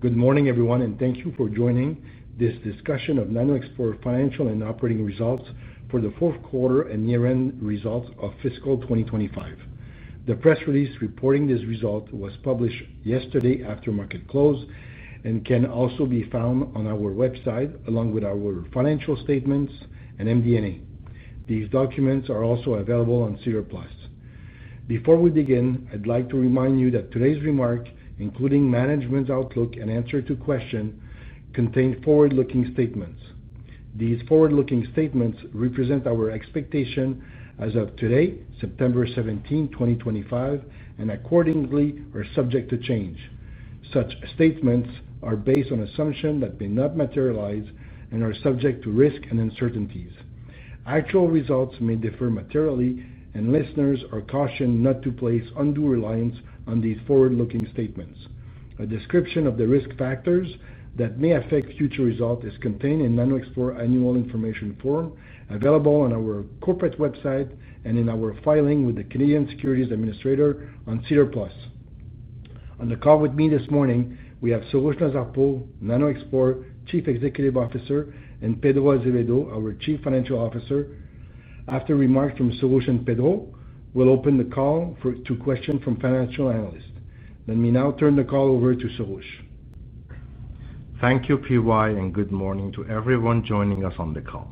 Good morning, everyone, and thank you for joining this discussion of NanoXplore's Financial and Operating Results for the Fourth Quarter and Year-End Results of Fiscal 2025. The press release reporting this result was published yesterday after market close and can also be found on our website along with our financial statements and MD&A. These documents are also available on SEDAR+. Before we begin, I'd like to remind you that today's remarks, including management's outlook and answers to questions, contain forward-looking statements. These forward-looking statements represent our expectation as of today, September 17th, 2025, and accordingly are subject to change. Such statements are based on assumptions that may not materialize and are subject to risks and uncertainties. Actual results may differ materially, and listeners are cautioned not to place undue reliance on these forward-looking statements. A description of the risk factors that may affect future results is contained in NanoXplore's annual information form available on our corporate website and in our filings with the Canadian Securities Administrators on SEDAR+. On the call with me this morning, we have Soroush Nazarpour, NanoXplore's Chief Executive Officer, and Pedro Azevedo, our Chief Financial Officer. After remarks from Soroush and Pedro, we'll open the call to questions from financial analysts. Let me now turn the call over to Soroush. Thank you, PY, and good morning to everyone joining us on the call.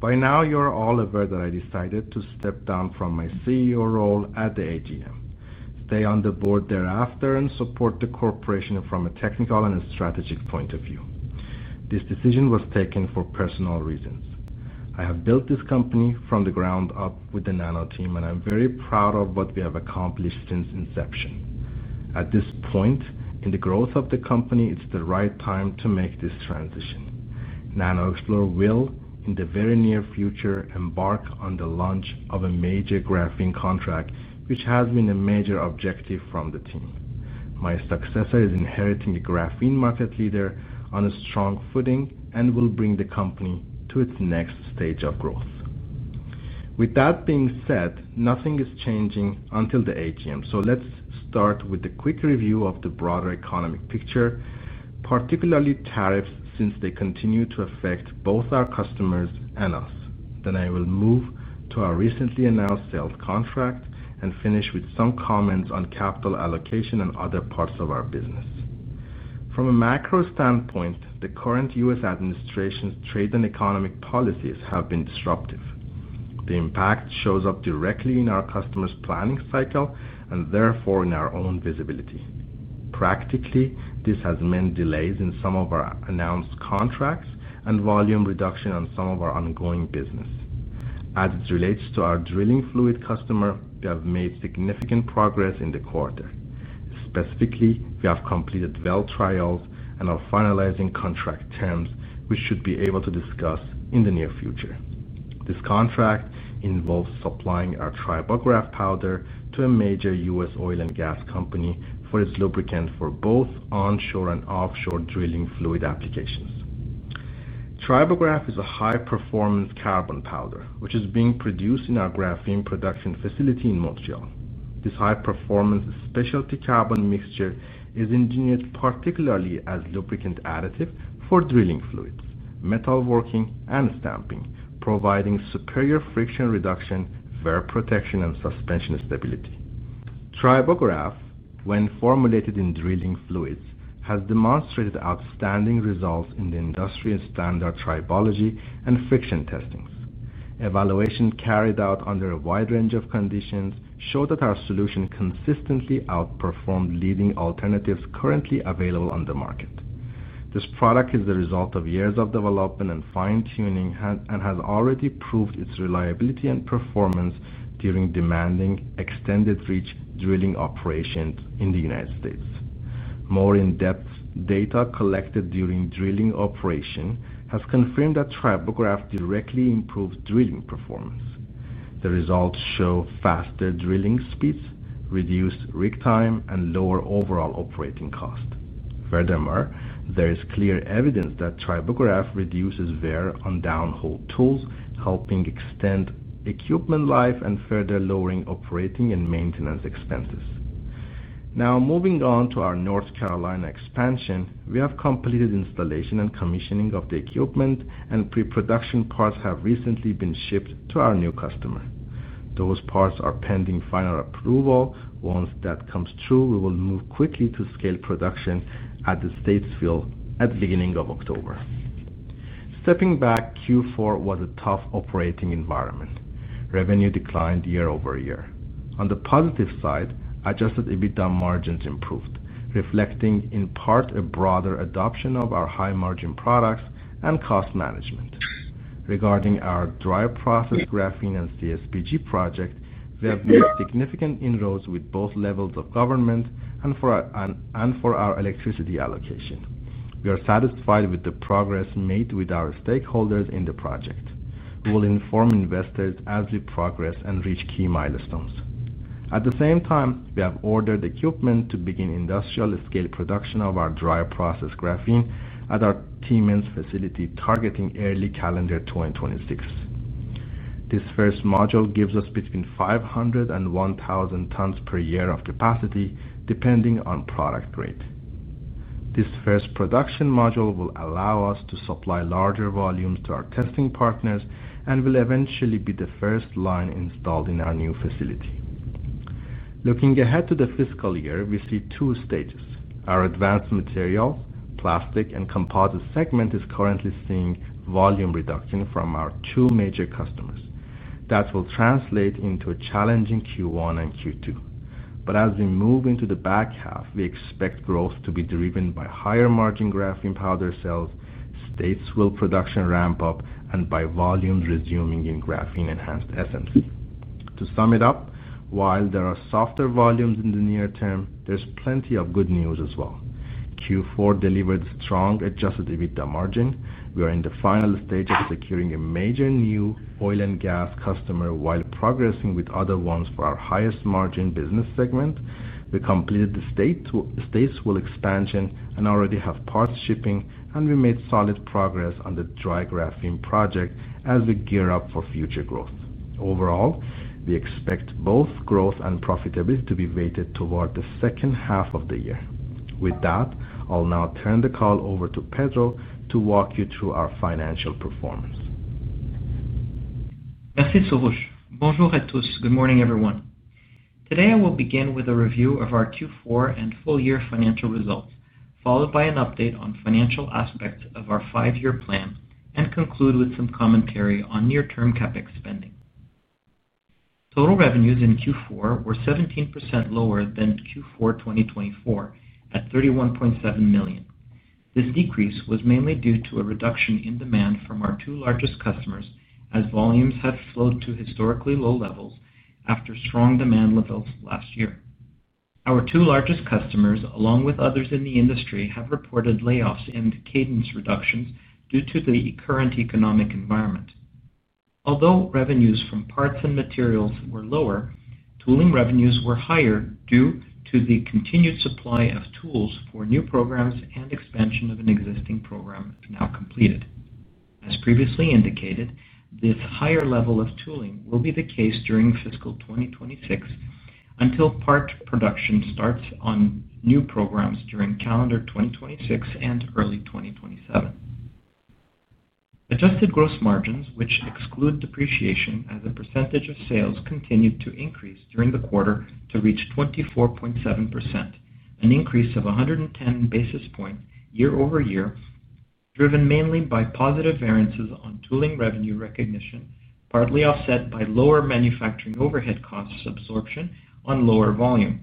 By now, you're all aware that I decided to step down from my CEO role at the AGM. I will stay on the board thereafter and support the corporation from a technical and a strategic point of view. This decision was taken for personal reasons. I have built this company from the ground up with the Nano team, and I'm very proud of what we have accomplished since inception. At this point in the growth of the company, it's the right time to make this transition. NanoXplore will, in the very near future, embark on the launch of a major graphene contract, which has been a major objective from the team. My successor is inheriting a graphene market leader on a strong footing and will bring the company to its next stage of growth. With that being said, nothing is changing until the AGM. Let's start with a quick review of the broader economic picture, particularly tariffs, since they continue to affect both our customers and us. I will move to our recently announced sales contract and finish with some comments on capital allocation and other parts of our business. From a macro standpoint, the current U.S. administration's trade and economic policies have been disruptive. The impact shows up directly in our customers' planning cycle and therefore in our own visibility. Practically, this has meant delays in some of our announced contracts and volume reduction on some of our ongoing business. As it relates to our drilling fluid customer, we have made significant progress in the quarter. Specifically, we have completed well trials and are finalizing contract terms, which we should be able to discuss in the near future. This contract involves supplying our Tribograph powder to a major U.S. oil and gas company for its lubricant for both onshore and offshore drilling fluid applications. Tribograph is a high-performance carbon powder, which is being produced in our graphene production facility in Montreal. This high-performance specialty carbon mixture is engineered particularly as a lubricant additive for drilling fluids, metalworking, and stamping, providing superior friction reduction, wear protection, and suspension stability. Tribograph, when formulated in drilling fluids, has demonstrated outstanding results in the industry-standard tribology and friction testing. Evaluations carried out under a wide range of conditions show that our solution consistently outperformed leading alternatives currently available on the market. This product is the result of years of development and fine-tuning and has already proved its reliability and performance during demanding extended reach drilling operations in the United States. More in-depth data collected during drilling operations has confirmed that Tribograph directly improves drilling performance. The results show faster drilling speeds, reduced rig time, and lower overall operating cost. Furthermore, there is clear evidence that Tribograph reduces wear on downhole tools, helping extend equipment life and further lowering operating and maintenance expenses. Now, moving on to our North Carolina expansion, we have completed installation and commissioning of the equipment, and pre-production parts have recently been shipped to our new customer. Those parts are pending final approval. Once that comes through, we will move quickly to scale production at Statesville at the beginning of October. Stepping back, Q4 was a tough operating environment. Revenue declined year-over-year. On the positive side, adjusted EBITDA margins improved, reflecting in part a broader adoption of our high-margin products and cost management. Regarding our dry process graphene and CSPG project, we have made significant inroads with both levels of government and for our electricity allocation. We are satisfied with the progress made with our stakeholders in the project. We will inform investors as we progress and reach key milestones. At the same time, we have ordered equipment to begin industrial scale production of our dry process graphene at our Tiemann facility, targeting early calendar 2026. This first module gives us between 500 and 1,000 tons per year of capacity, depending on product grade. This first production module will allow us to supply larger volumes to our testing partners and will eventually be the first line installed in our new facility. Looking ahead to the fiscal year, we see two stages. Our advanced materials, plastic, and composite segment is currently seeing volume reduction from our two major customers. That will translate into a challenging Q1 and Q2. As we move into the back half, we expect growth to be driven by higher margin graphene powder sales, Statesville production ramp-up, and by volumes resuming in graphene-enhanced SMC. To sum it up, while there are softer volumes in the near term, there's plenty of good news as well. Q4 delivered strong adjusted EBITDA margin. We are in the final stage of securing a major new oil and gas customer while progressing with other ones for our highest margin business segment. We completed the Statesville expansion and already have parts shipping, and we made solid progress on the dry process graphene project as we gear up for future growth. Overall, we expect both growth and profitability to be weighted toward the second half of the year. With that, I'll now turn the call over to Pedro to walk you through our financial performance. Merci, Soroush. Bonjour à tous, good morning everyone. Today, I will begin with a review of our Q4 and full-year financial results, followed by an update on financial aspects of our five-year plan and conclude with some commentary on near-term CapEx spending. Total revenues in Q4 were 17% lower than Q4 2024 at $31.7 million. This decrease was mainly due to a reduction in demand from our two largest customers, as volumes had slowed to historically low levels after strong demand levels last year. Our two largest customers, along with others in the industry, have reported layoffs and cadence reductions due to the current economic environment. Although revenues from parts and materials were lower, tooling revenues were higher due to the continued supply of tools for new programs and expansion of an existing program now completed. As previously indicated, this higher level of tooling will be the case during fiscal 2026 until part production starts on new programs during calendar 2026 and early 2027. Adjusted gross margins, which exclude depreciation, as a percentage of sales continued to increase during the quarter to reach 24.7%, an increase of 110 basis points year-over-year, driven mainly by positive variances on tooling revenue recognition, partly offset by lower manufacturing overhead costs absorption on lower volume.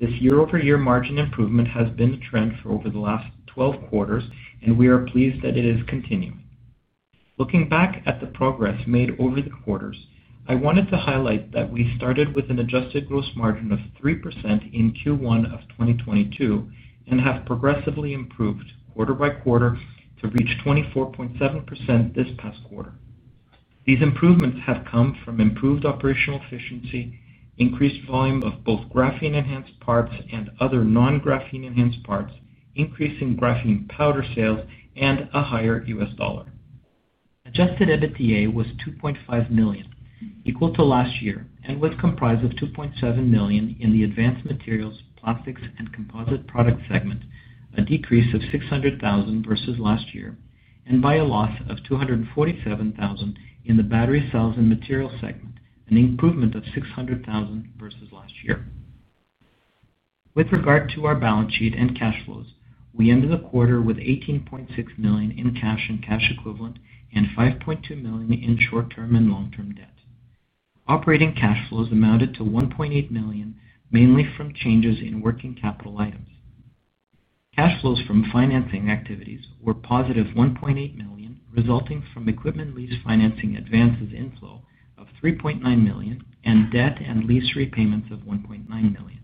This year-over-year margin improvement has been a trend for over the last 12 quarters, and we are pleased that it is continuing. Looking back at the progress made over the quarters, I wanted to highlight that we started with an adjusted gross margin of 3% in Q1 of 2022 and have progressively improved quarter by quarter to reach 24.7% this past quarter. These improvements have come from improved operational efficiency, increased volume of both graphene-enhanced parts and other non-graphene-enhanced parts, increasing graphene powder sales, and a higher U.S. dollar. Adjusted EBITDA was $2.5 million, equal to last year, and was comprised of $2.7 million in the advanced materials, plastics, and composite products segment, a decrease of $600,000 versus last year, and by a loss of $247,000 in the battery cells and materials segment, an improvement of $600,000 versus last year. With regard to our balance sheet and cash flows, we ended the quarter with $18.6 million in cash and cash equivalent and $5.2 million in short-term and long-term debt. Operating cash flows amounted to $1.8 million, mainly from changes in working capital items. Cash flows from financing activities were +$1.8 million, resulting from equipment lease financing advances inflow of $3.9 million and debt and lease repayments of $1.9 million.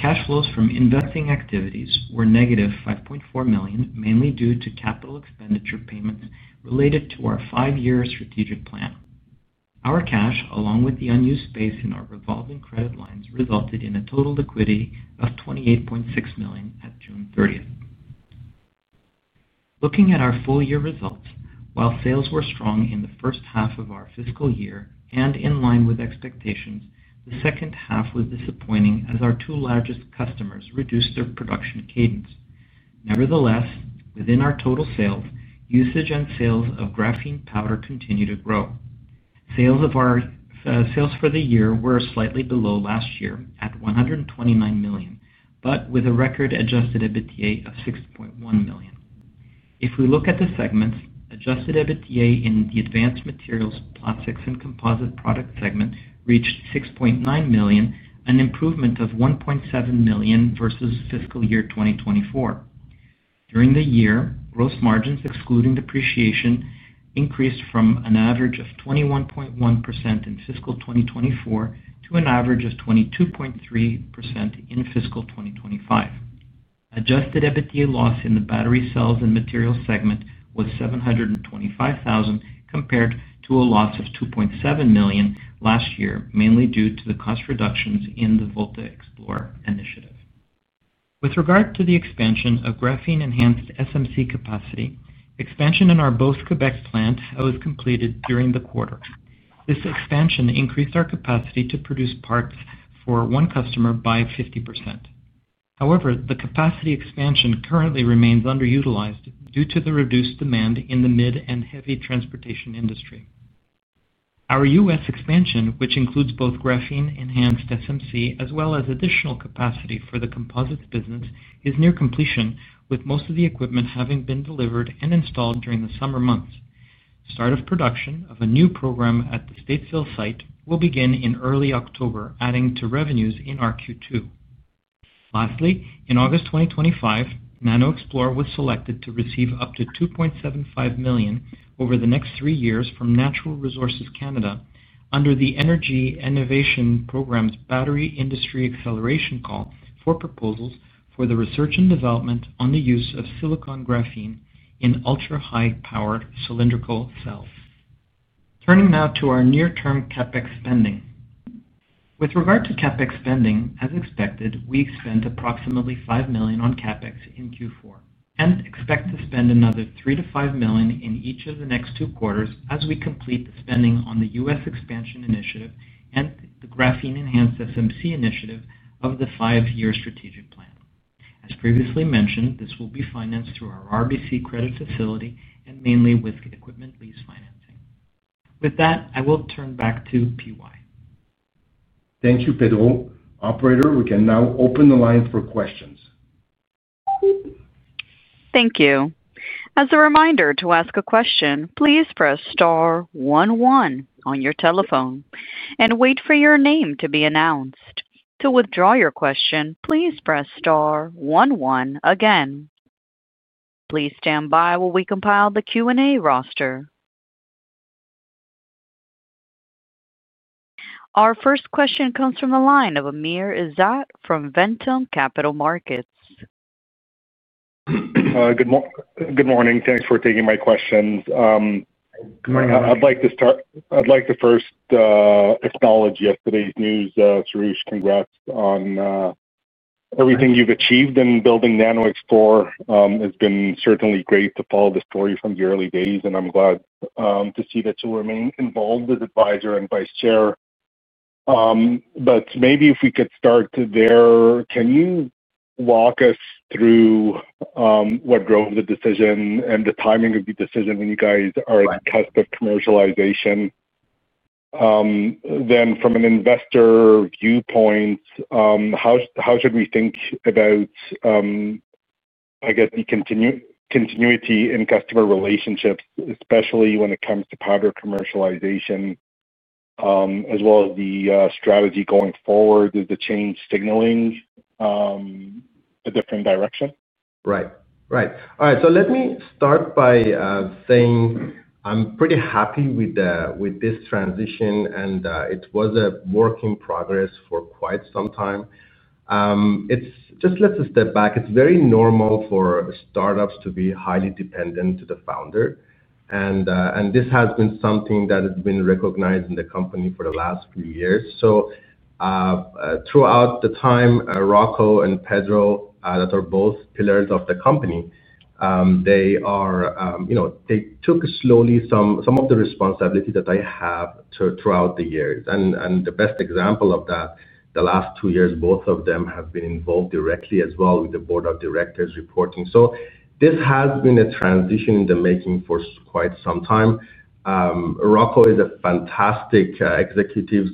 Finally, cash flows from investing activities were negative $5.4 million, mainly due to capital expenditure payments related to our five-year strategic plan. Our cash, along with the unused space in our revolving credit lines, resulted in a total liquidity of $28.6 million at June 30th. Looking at our full-year results, while sales were strong in the first half of our fiscal year and in line with expectations, the second half was disappointing as our two largest customers reduced their production cadence. Nevertheless, within our total sales, usage and sales of graphene powder continue to grow. Sales for the year were slightly below last year at $129 million, but with a record adjusted EBITDA of $6.1 million. If we look at the segments, adjusted EBITDA in the advanced materials, plastics, and composite products segment reached $6.9 million, an improvement of $1.7 million versus fiscal year 2024. During the year, gross margins, excluding depreciation, increased from an average of 21.1% in fiscal 2024 to an average of 22.3% in fiscal 2025. Adjusted EBITDA loss in the battery cells and materials segment was $725,000 compared to a loss of $2.7 million last year, mainly due to the cost reductions in the VoltaXplore initiative. With regard to the expansion of graphene-enhanced SMC capacity, expansion in our Beauce, Quebec plant was completed during the quarter. This expansion increased our capacity to produce parts for one customer by 50%. However, the capacity expansion currently remains underutilized due to the reduced demand in the mid and heavy transportation industry. Our U.S. expansion, which includes both graphene-enhanced SMC as well as additional capacity for the composites business, is near completion, with most of the equipment having been delivered and installed during the summer months. Start of production of a new program at the Statesville site will begin in early October, adding to revenues in our Q2. Lastly, in August 2025, NanoXplore was selected to receive up to $2.75 million over the next three years from Natural Resources Canada under the Energy Innovation Program's Battery Industry Acceleration Call for proposals for the research and development on the use of silicon-graphene in ultra-high-powered cylindrical cells. Turning now to our near-term CapEx spending. With regard to CapEx spending, as expected, we've spent approximately $5 million on CapEx in Q4 and expect to spend another $3 million-$5 million in each of the next two quarters as we complete the spending on the U.S. expansion initiative and the graphene-enhanced SMC initiative of the five-year strategic plan. As previously mentioned, this will be financed through our RBC credit facility and mainly with equipment lease financing. With that, I will turn back to PY. Thank you, Pedro. Operator, we can now open the line for questions. Thank you. As a reminder to ask a question, please press star one one on your telephone and wait for your name to be announced. To withdraw your question, please press star one one again. Please stand by while we compile the Q&A roster. Our first question comes from the line of Amr Ezzat from Ventum Capital Markets. Good morning. Thanks for taking my question. I'd like to first acknowledge yesterday's news. Soroush, congrats on everything you've achieved in building NanoXplore. It's been certainly great to follow the story from the early days, and I'm glad to see that you remain involved as advisor and vice chair. Maybe if we could start there, can you walk us through what drove the decision and the timing of the decision when you guys are at the cusp of commercialization? From an investor viewpoint, how should we think about the continuity in customer relationships, especially when it comes to powder commercialization, as well as the strategy going forward? Is the change signaling a different direction? All right. Let me start by saying I'm pretty happy with this transition, and it was a work in progress for quite some time. It just lets us step back. It's very normal for startups to be highly dependent on the founder, and this has been something that has been recognized in the company for the last few years. Throughout the time, Rocco and Pedro, who are both pillars of the company, took slowly some of the responsibility that they have throughout the years. The best example of that, the last two years, both of them have been involved directly as well with the board of directors reporting. This has been a transition in the making for quite some time. Rocco is a fantastic executive.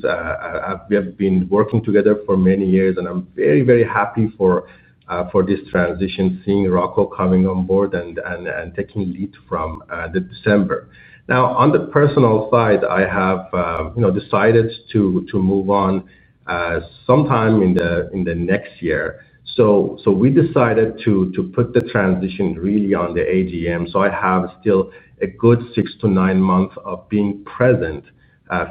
We have been working together for many years, and I'm very, very happy for this transition, seeing Rocco coming on board and taking lead from December. On the personal side, I have decided to move on sometime in the next year. We decided to put the transition really on the AGM. I have still a good six to nine months of being present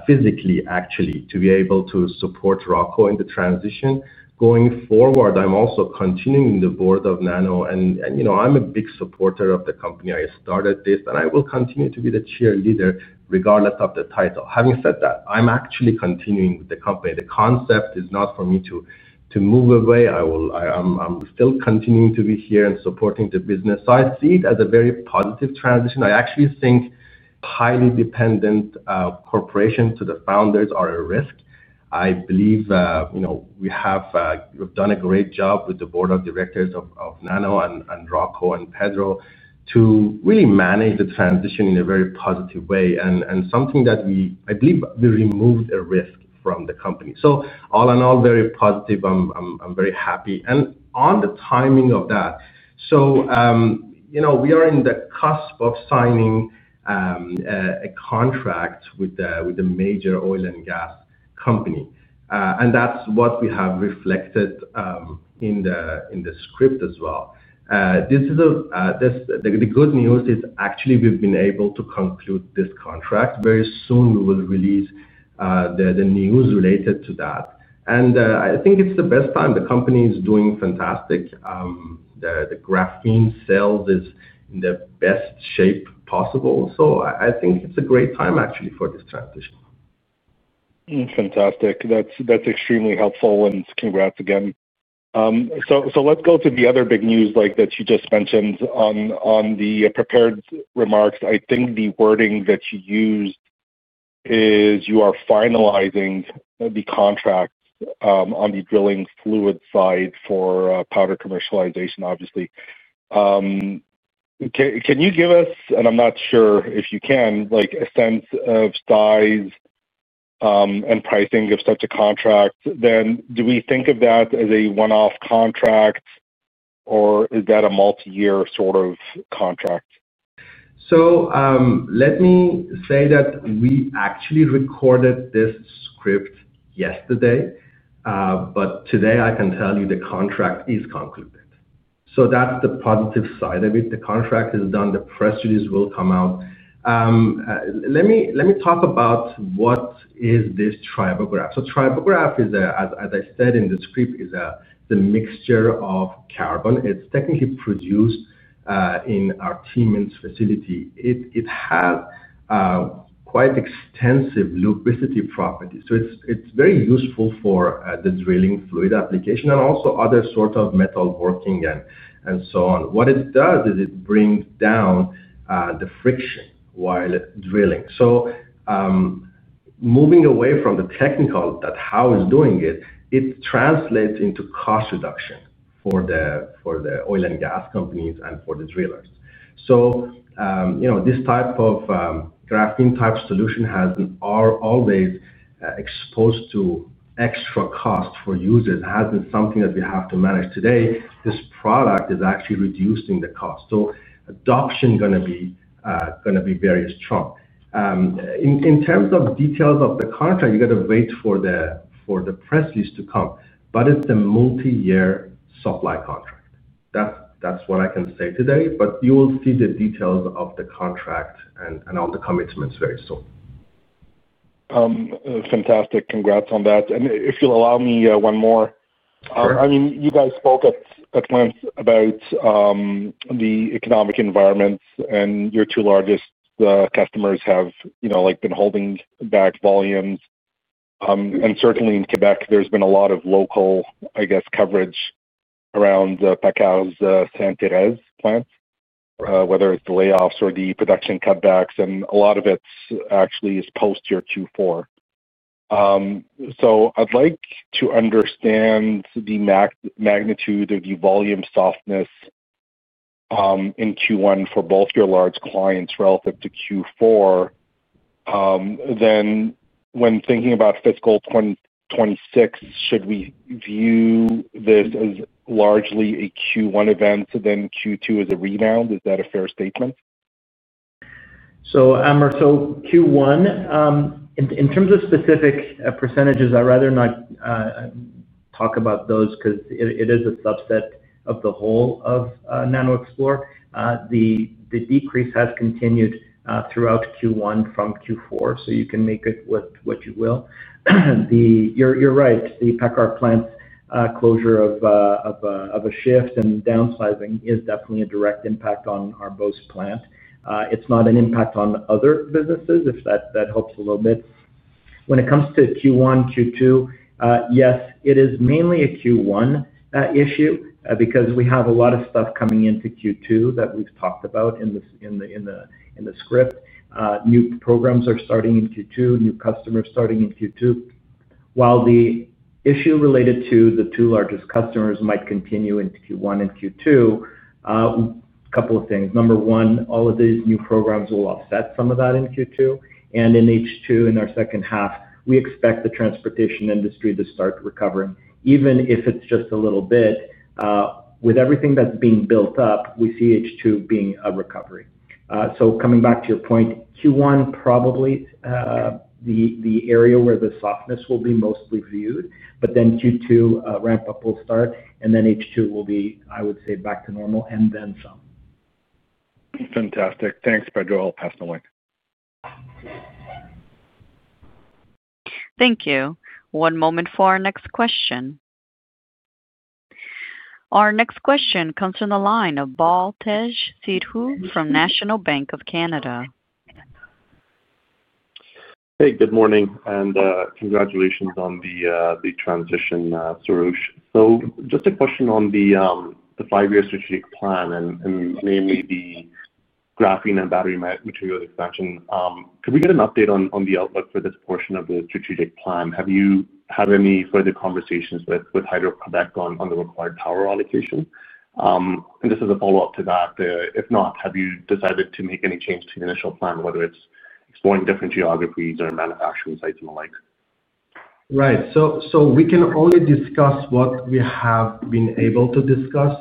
physically, actually, to be able to support Rocco in the transition. Going forward, I'm also continuing in the board of Nano, and I'm a big supporter of the company. I started this, and I will continue to be the cheerleader regardless of the title. Having said that, I'm actually continuing with the company. The concept is not for me to move away. I'm still continuing to be here and supporting the business. I see it as a very positive transition. I actually think highly dependent corporations to the founders are at risk. I believe we have done a great job with the board of directors of Nano and Rocco and Pedro to really manage the transition in a very positive way. I believe we removed a risk from the company. All in all, very positive. I'm very happy. On the timing of that, we are in the cusp of signing a contract with a major oil and gas company. That's what we have reflected in the script as well. This is the good news. We've been able to conclude this contract. Very soon, we will release the news related to that. I think it's the best time. The company is doing fantastic. The graphene sales are in the best shape possible. I think it's a great time, actually, for this transition. Fantastic. That's extremely helpful, and congrats again. Let's go to the other big news that you just mentioned on the prepared remarks. I think the wording that you used is you are finalizing the contract on the drilling fluid side for powder commercialization, obviously. Can you give us, and I'm not sure if you can, like a sense of size and pricing of such a contract? Do we think of that as a one-off contract, or is that a multi-year sort of contract? Let me say that we actually recorded this script yesterday, but today I can tell you the contract is concluded. That's the positive side of it. The contract is done. The prestige will come out. Let me talk about what is this Tribograph. Tribograph is, as I said in the script, a mixture of carbon. It's technically produced in our Tiemann facility. It has quite extensive lubricity properties. It's very useful for the drilling fluid application and also other sorts of metalworking and so on. What it does is it brings down the friction while drilling. Moving away from the technical, that's how it's doing it, it translates into cost reduction for the oil and gas companies and for the drillers. This type of graphene-type solution has always exposed users to extra costs. It hasn't something that we have to manage today. This product is actually reducing the cost. Adoption is going to be very strong. In terms of details of the contract, you got to wait for the prestige to come, but it's a multi-year supply contract. That's what I can say today, but you will see the details of the contract and all the commitments very soon. Fantastic. Congrats on that. If you'll allow me one more. Sure. I mean, you guys spoke at length about the macroeconomic environment and your two largest customers have been holding back volumes. Certainly in Quebec, there's been a lot of local, I guess, coverage around the PACCAR's Sainte-Thérèse, plant, whether it's the layoffs or the production cutbacks. A lot of it actually is post-year Q4. I'd like to understand the magnitude of your volume softness in Q1 for both your large clients relative to Q4. When thinking about fiscal 2026, should we view this as largely a Q1 event, with Q2 as a rebound? Is that a fair statement? Amr, Q1, in terms of specific percentage, I'd rather not talk about those because it is a subset of the whole of NanoXplore. The decrease has continued throughout Q1 from Q4. You can make of it what you will. You're right. The PACCAR plant closure of a shift and downsizing is definitely a direct impact on our Beauce plant. It's not an impact on other businesses, if that helps a little bit. When it comes to Q1, Q2, yes, it is mainly a Q1 issue because we have a lot of stuff coming into Q2 that we've talked about in the script. New programs are starting in Q2. New customers are starting in Q2. While the issue related to the two largest customers might continue in Q1 and Q2, a couple of things. Number one, all of these new programs will offset some of that in Q2. In H2, in our second half, we expect the transportation industry to start recovering, even if it's just a little bit. With everything that's being built up, we see H2 being a recovery. Coming back to your point, Q1 probably is the area where the softness will be mostly viewed, but then Q2 ramp-up will start, and then H2 will be, I would say, back to normal, and then some. Fantastic. Thanks, Pedro. I'll pass it away. Thank you. One moment for our next question. Our next question comes from the line of Baltej Sidhu from National Bank Financial. Good morning, and congratulations on the big transition, Soroush. Just a question on the five-year strategic plan and mainly the graphene and battery material expansion. Can we get an update on the outlook for this portion of the strategic plan? Have you had any further conversations with Hydro-Quebec on the required power allocation? Just as a follow-up to that, if not, have you decided to make any change to the initial plan, whether it's exploring different geographies or manufacturing sites and the like? Right. We can only discuss what we have been able to discuss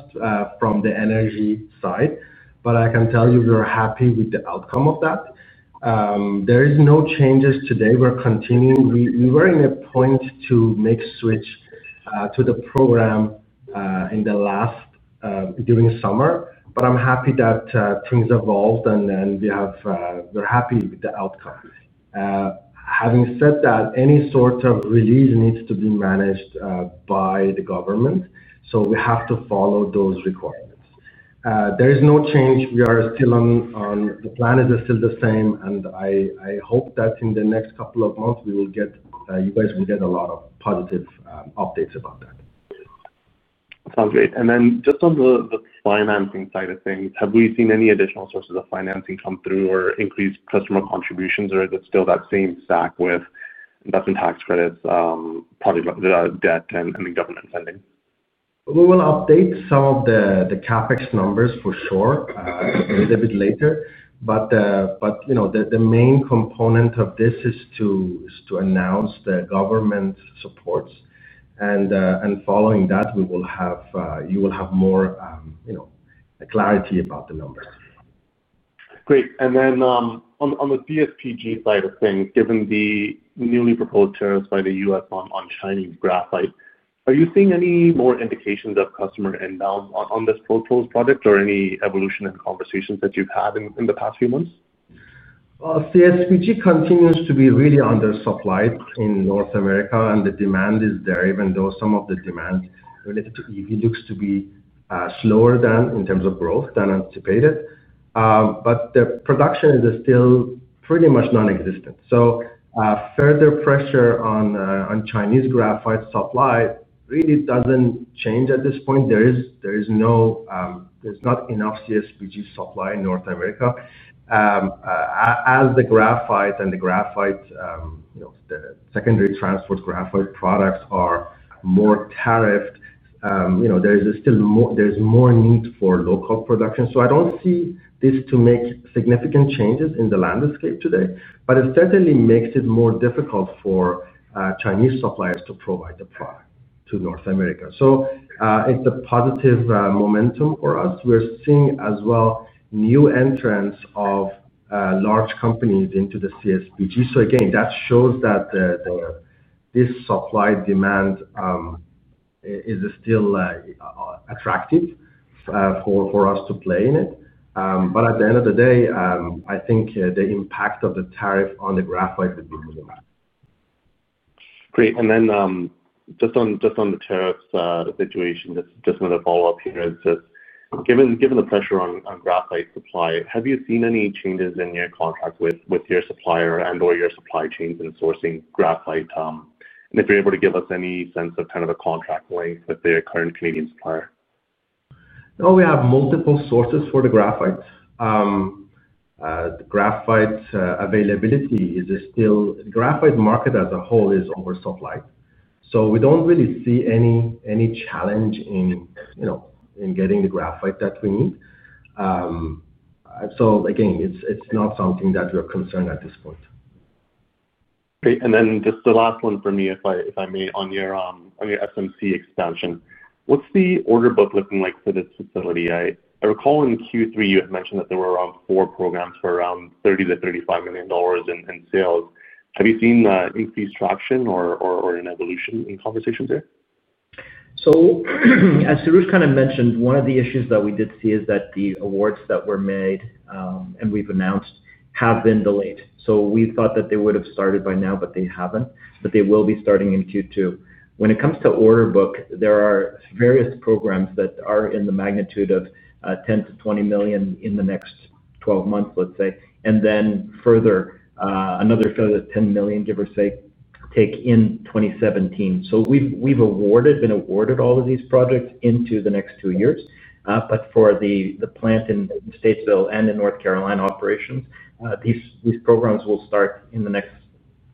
from the energy side, but I can tell you we are happy with the outcome of that. There are no changes today. We're continuing. We were at a point to make a switch to the program during summer, but I'm happy that things evolved and we're happy with the outcome. Having said that, any sort of release needs to be managed by the government, so we have to follow those requirements. There is no change. The plan is still the same, and I hope that in the next couple of months, you guys will get a lot of positive updates about that. Sounds great. Just on the financing side of things, have we seen any additional sources of financing come through or increased customer contributions, or is it still that same stack with investment tax credits, project debt, and government spending? We will update some of the CapEx numbers for sure a little bit later, but the main component of this is to announce the government supports. Following that, you will have more clarity about the numbers. Great. On the CSPG side of things, given the newly proposed tariffs by the U.S. on Chinese graphite, are you seeing any more indications of customer endowment on this proposed product or any evolution in conversations that you've had in the past few months? CSPG continues to be really under supply in North America, and the demand is there, even though some of the demand related to EV looks to be slower in terms of growth than anticipated. The production is still pretty much nonexistent. Further pressure on Chinese graphite supply really doesn't change at this point. There is not enough CSPG supply in North America. As the graphite and the secondary transport graphite products are more tariffed, there is still more need for local production. I don't see this to make significant changes in the landscape today, but it certainly makes it more difficult for Chinese suppliers to provide the product to North America. It's a positive momentum for us. We're seeing as well new entrants of large companies into the CSPG. That shows that this supply demand is still attractive for us to play in it. At the end of the day, I think the impact of the tariff on the graphite would be minimal. Great. Just on the tariff situation, just another follow-up here. Given the pressure on graphite supply, have you seen any changes in your contract with your supplier or your supply chains in sourcing graphite? If you're able to give us any sense of the contract length with the current Canadian supplier. No, we have multiple sources for the graphite. The graphite availability is still, the graphite market as a whole is oversupply. We don't really see any challenge in getting the graphite that we need. It's not something that we're concerned at this point. Great. Just the last one from me, if I may, on your SMC expansion, what's the order book looking like for this facility? I recall in Q3, you had mentioned that there were around four programs for around $30 million-$35 million in sales. Have you seen increased traction or an evolution in conversation there? As Soroush mentioned, one of the issues that we did see is that the awards that were made and we've announced have been delayed. We thought that they would have started by now, but they haven't, but they will be starting in Q2. When it comes to order book, there are various programs that are in the magnitude of $10 million-$20 million in the next 12 months, let's say, and then another further $10 million, give or take, in 2027. We've awarded all of these projects into the next two years. For the plant in Statesville and in North Carolina operations, these programs will start in the next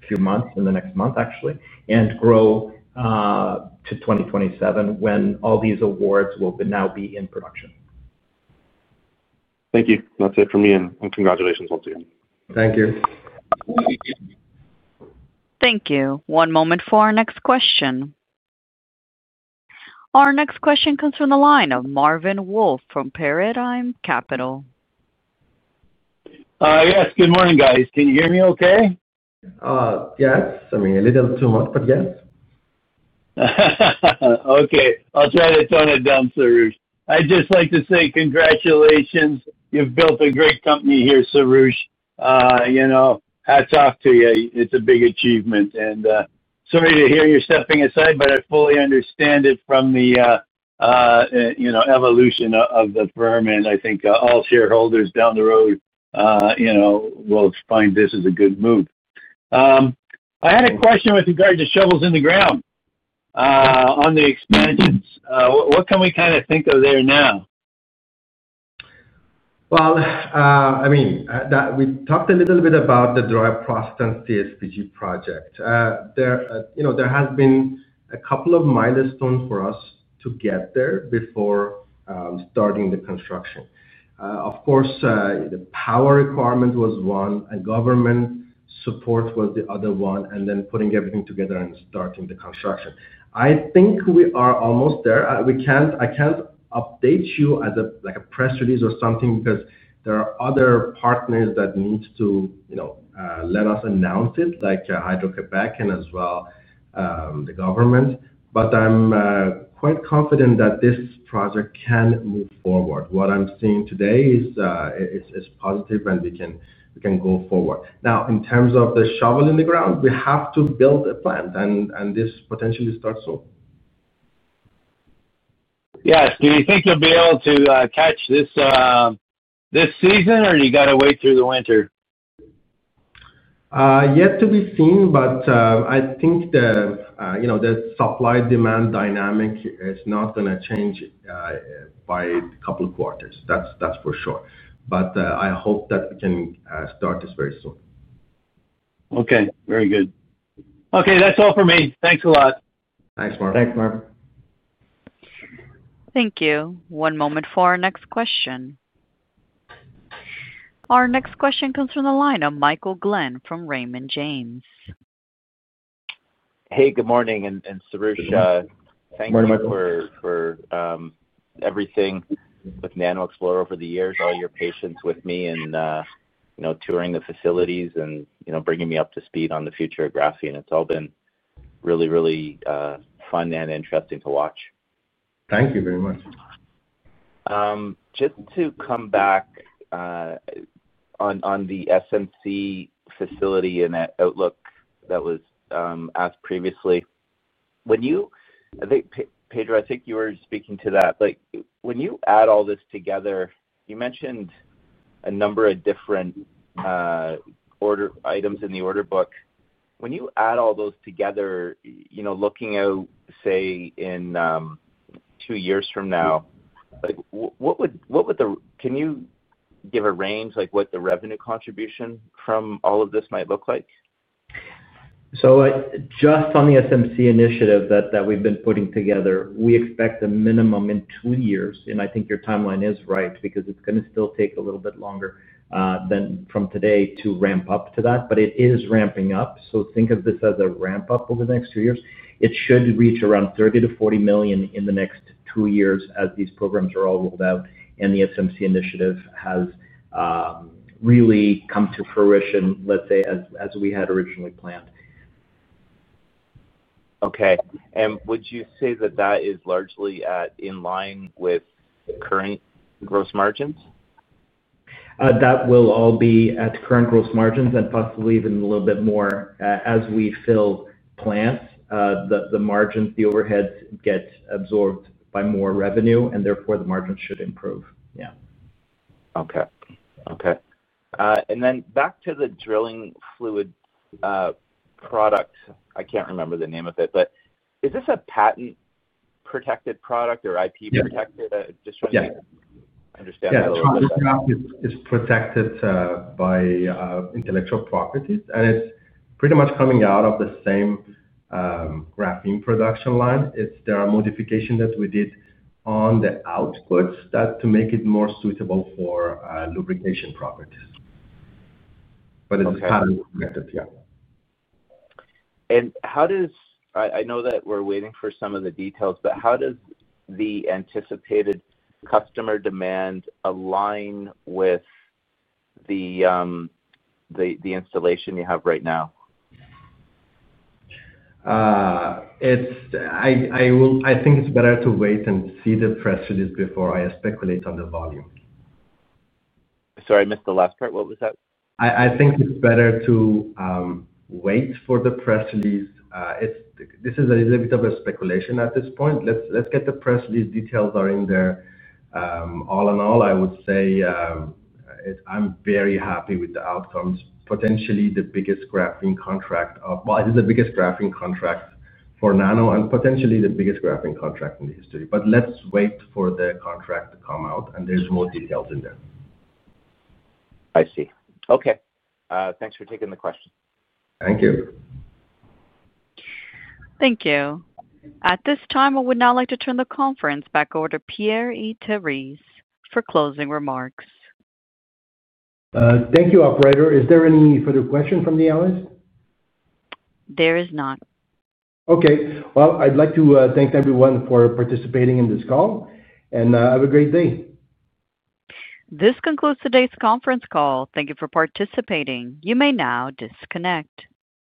few months, in the next month, actually, and grow to 2027 when all these awards will now be in production. Thank you. That's it from me, and congratulations once again. Thank you. Thank you. One moment for our next question. Our next question comes from the line of Marvin Wolff from Paradigm Capital. Yes, good morning, guys. Can you hear me okay? Yes, a little too much, but yes. Okay. I'll try to tone it down, Soroush. I'd just like to say congratulations. You've built a great company here, Soroush. You know, I talk to you. It's a big achievement. Sorry to hear you're stepping aside, but I fully understand it from the evolution of the firm. I think all shareholders down the road will find this as a good move. I had a question with regard to shovels in the ground on the expansions. What can we kind of think of there now? I mean, we've talked a little bit about the dry process and CSPG project. There has been a couple of milestones for us to get there before starting the construction. Of course, the power requirement was one, government support was the other one, and then putting everything together and starting the construction. I think we are almost there. I can't update you as a press release or something because there are other partners that need to let us announce it, like Hydro-Quebec and as well the government. I'm quite confident that this project can move forward. What I'm seeing today is positive, and we can go forward. Now, in terms of the shovel in the ground, we have to build a plant, and this potentially starts soon. Yes. Do you think you'll be able to catch this this season, or you got to wait through the winter? Yet to be seen, I think the supply-demand dynamic is not going to change by a couple of quarters. That's for sure. I hope that it can start this very soon. Okay. Very good. Okay. That's all for me. Thanks a lot. Thanks, Marvin. Thanks, Marvin. Thank you. One moment for our next question. Our next question comes from the line of Michael Glen from Raymond James. Hey, good morning. Soroush, thank you very much for everything with NanoXplore over the years, all your patience with me, and touring the facilities, and bringing me up to speed on the future of graphene. It's all been really, really fun and interesting to watch. Thank you very much. Just to come back on the SMC facility and that outlook that was asked previously. Pedro, I think you were speaking to that. When you add all this together, you mentioned a number of different order items in the order book. When you add all those together, looking out, say, in two years from now, can you give a range like what the revenue contribution from all of this might look like? On the SMC initiative that we've been putting together, we expect a minimum in two years. I think your timeline is right because it's going to still take a little bit longer than from today to ramp up to that. It is ramping up. Think of this as a ramp-up over the next two years. It should reach around $30 million-$40 million in the next two years as these programs are all rolled out and the SMC initiative has really come to fruition, let's say, as we had originally planned. Okay, would you say that that is largely in line with current gross margins? That will all be at current gross margins and possibly even a little bit more as we fill plants. The margins, the overheads get absorbed by more revenue, and therefore, the margins should improve. Okay. Okay. Back to the drilling fluid product, I can't remember the name of it, but is this a patent-protected product or IP-protected? I just want to understand a little bit about that. Yes. It's protected by intellectual property, and it's pretty much coming out of the same graphene production line. There are modifications that we did on the outputs to make it more suitable for lubrication properties. Okay. How does, I know that we're waiting for some of the details, but how does the anticipated customer demand align with the installation you have right now? I think it's better to wait and see the press release before I speculate on the volume. Sorry, I missed the last part. What was that? I think it's better to wait for the press release. This is a little bit of a speculation at this point. Let's get the press release. Details are in there. All in all, I would say I'm very happy with the outcomes. Potentially, the biggest graphene contract of, it is the biggest graphene contract for NanoXplore and potentially the biggest graphene contract in the history. Let's wait for the contract to come out and there's more details in there. I see. Okay. Thanks for taking the question. Thank you. Thank you. At this time, I would now like to turn the conference back over to Pierre-Yves Terrisse for closing remarks. Thank you, operator. Is there any further question from the audience? There is not. I'd like to thank everyone for participating in this call, and have a great day. This concludes today's Conference Call. Thank you for participating. You may now disconnect.